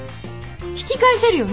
引き返せるよね。